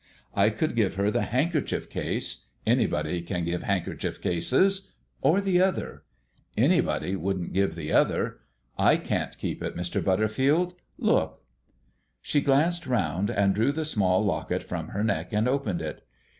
I could give her the handkerchief case anybody can give handkerchief cases or the other. Anybody wouldn't give the other. I can't keep it, Mr. Butterfield. Look." She glanced round, and drew the small locket from her neck and opened it.